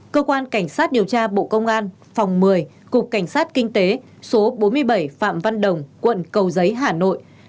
cơ quan cảnh sát điều tra bộ công an phòng một mươi cục cảnh sát kinh tế số bốn mươi bảy phạm văn đồng quận cầu giấy hà nội